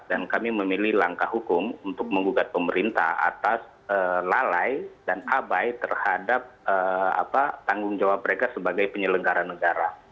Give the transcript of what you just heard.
dan kami memilih langkah hukum untuk mengugat pemerintah atas lalai dan abai terhadap tanggung jawab mereka sebagai penyelenggara negara